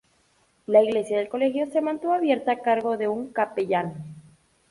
La iglesia del colegio se mantuvo abierta a cargo de un capellán.